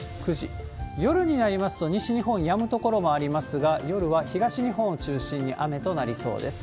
夜になりますと、西日本、やむ所もありますが、夜は東日本を中心に雨となりそうです。